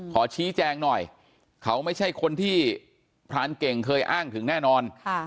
ขอชี้แจงหน่อยเขาไม่ใช่คนที่พรานเก่งเคยอ้างถึงแน่นอน